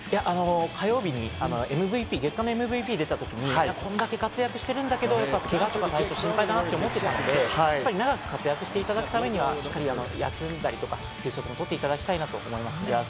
火曜日に月間ＭＶＰが出たときにこんだけ活躍してるんだけれども、けがとか心配だなって思ってたので、長く活躍していただくためには、しっかり休んだりとか、休みもとっていただきたいなと思いますね。